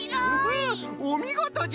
おみごとじゃった。